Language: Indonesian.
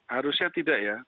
harusnya tidak ya